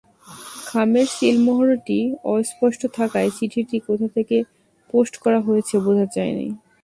খামের সিলমোহরটি অস্পষ্ট থাকায় চিঠিটি কোথা থেকে পোস্ট করা হয়েছে, বোঝা যায়নি।